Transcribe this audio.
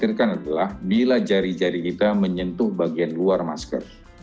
yang kita kuatirkan adalah bila jari jari kita menyentuh bagian luar masker